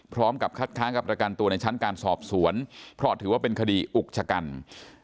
พร้อมกับคัดค้างกับประกันตัวในชั้นการสอบสวนเพราะถือว่าเป็นคดีอุกชะกัน